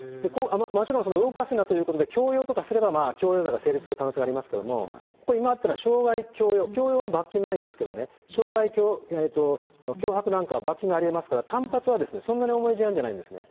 もちろん、動かすなということで、強要とかすれば強要罪が成立する可能性がありますけれども、傷害、強要、強要は罰金ないんですけれどもね、傷害、脅迫なんかは罰金がありえますから、はそんなに重い事案じゃないんですね。